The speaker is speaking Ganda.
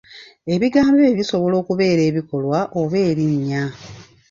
Ebigambo ebyo bisobola okubeera ekikolwa oba erinnya.